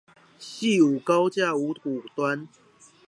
汐五高架五股端